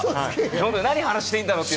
何を話していいんだろうって。